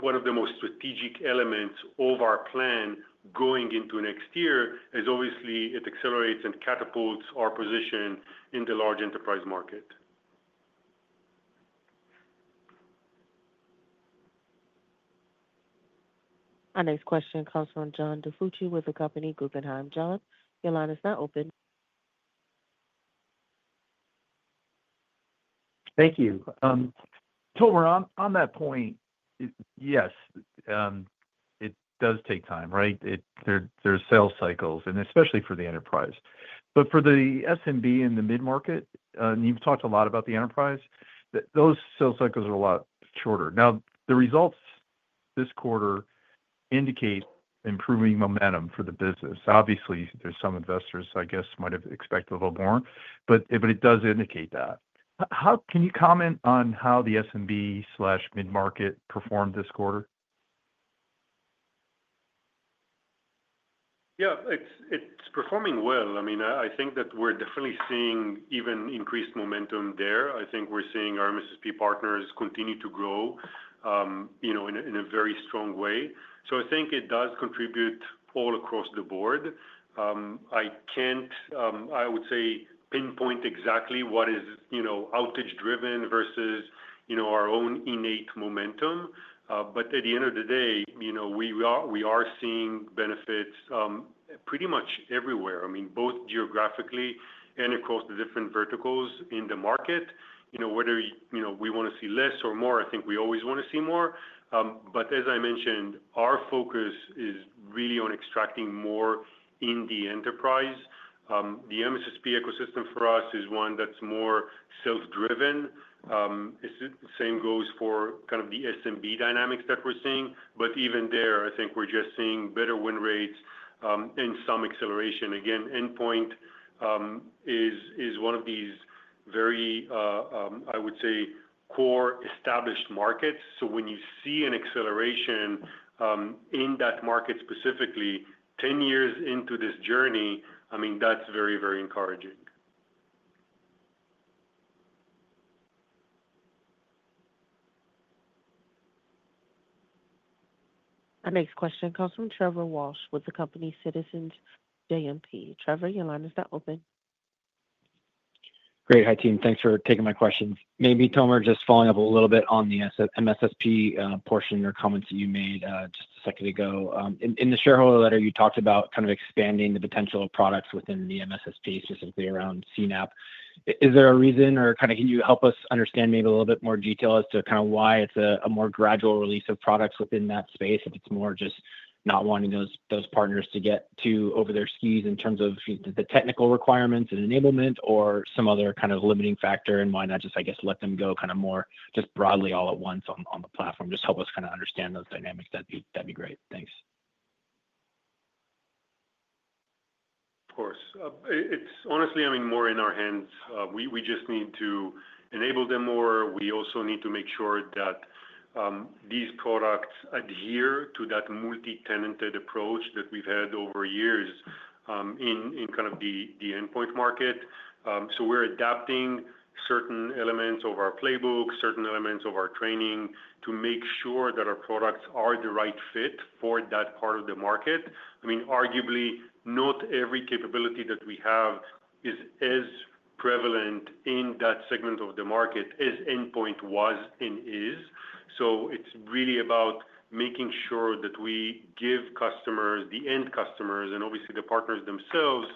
one of the most strategic elements of our plan going into next year as obviously it accelerates and catapults our position in the large enterprise market. Our next question comes from John DiFucci with the company Guggenheim. John, your line is now open. Thank you. Tomer, on that point, yes, it does take time, right? There are sales cycles, and especially for the enterprise, but for the SMB in the mid-market, and you've talked a lot about the enterprise, those sales cycles are a lot shorter. Now, the results this quarter indicate improving momentum for the business. Obviously, there's some investors, I guess, might have expected a little more, but it does indicate that. Can you comment on how the SMB/mid-market performed this quarter? Yeah, it's performing well. I mean, I think that we're definitely seeing even increased momentum there. I think we're seeing our MSSP partners continue to grow in a very strong way. So I think it does contribute all across the board. I can't, I would say, pinpoint exactly what is outage-driven versus our own innate momentum, but at the end of the day, we are seeing benefits pretty much everywhere. I mean, both geographically and across the different verticals in the market, whether we want to see less or more, I think we always want to see more. But as I mentioned, our focus is really on extracting more in the enterprise. The MSSP ecosystem for us is one that's more self-driven. The same goes for kind of the SMB dynamics that we're seeing. But even there, I think we're just seeing better win rates and some acceleration. Again, endpoint is one of these very, I would say, core established markets. So when you see an acceleration in that market specifically, 10 years into this journey, I mean, that's very, very encouraging. Our next question comes from Trevor Walsh with the company Citizens JMP. Trevor, your line is now open. Great. Hi, team. Thanks for taking my questions. Maybe Tomer, just following up a little bit on the MSSP portion or comments that you made just a second ago. In the shareholder letter, you talked about kind of expanding the potential of products within the MSSP, specifically around CNAPP. Is there a reason or kind of can you help us understand maybe a little bit more detail as to kind of why it's a more gradual release of products within that space, if it's more just not wanting those partners to get too over their skis in terms of the technical requirements and enablement or some other kind of limiting factor, and why not just, I guess, let them go kind of more just broadly all at once on the platform? Just help us kind of understand those dynamics. That'd be great. Thanks. Of course. Honestly, I mean, more in our hands. We just need to enable them more. We also need to make sure that these products adhere to that multi-tenanted approach that we've had over years in kind of the endpoint market. So we're adapting certain elements of our playbook, certain elements of our training to make sure that our products are the right fit for that part of the market. I mean, arguably, not every capability that we have is as prevalent in that segment of the market as endpoint was and is. So it's really about making sure that we give customers, the end customers, and obviously the partners themselves,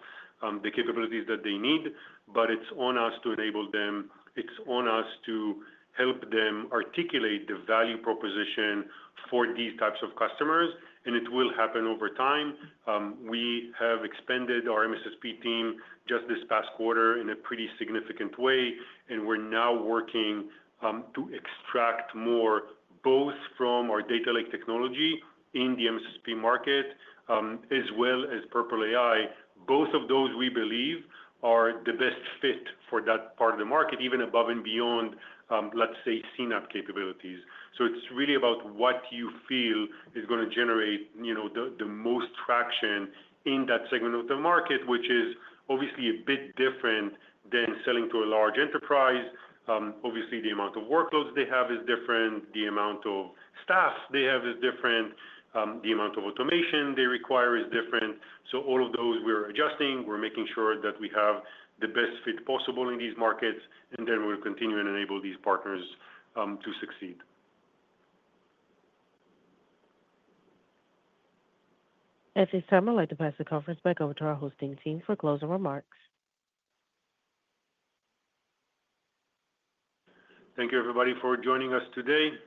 the capabilities that they need. But it's on us to enable them. It's on us to help them articulate the value proposition for these types of customers. And it will happen over time. We have expanded our MSSP team just this past quarter in a pretty significant way. And we're now working to extract more both from our data lake technology in the MSSP market as well as Purple AI. Both of those, we believe, are the best fit for that part of the market, even above and beyond, let's say, CNAPP capabilities. So it's really about what you feel is going to generate the most traction in that segment of the market, which is obviously a bit different than selling to a large enterprise. Obviously, the amount of workloads they have is different. The amount of staff they have is different. The amount of automation they require is different. So all of those, we're adjusting. We're making sure that we have the best fit possible in these markets. And then we'll continue and enable these partners to succeed. As a summary, I'd like to pass the conference back over to our hosting team for closing remarks. Thank you, everybody, for joining us today.